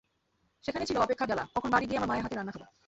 সেখানে ছিল অপেক্ষার জ্বালা, কখন বাড়ি গিয়ে আমার মায়ের হাতের রান্না খাব।